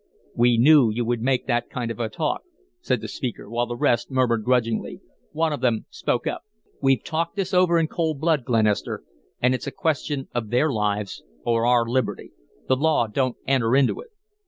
"We knew you would make that kind of a talk," said the speaker, while the rest murmured grudgingly. One of them spoke up. "We've talked this over in cold blood, Glenister, and it's a question of their lives or our liberty. The law don't enter into it."